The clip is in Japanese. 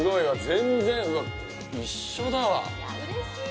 全然一緒だわ。